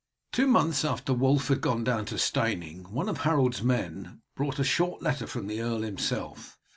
Two months after Wulf had gone down to Steyning one of Harold's men brought a short letter from the earl himself.